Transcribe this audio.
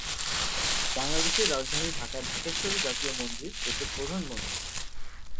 বাংলাদেশের রাজধানী ঢাকার ঢাকেশ্বরী জাতীয় মন্দির দেশের প্রধান মন্দির।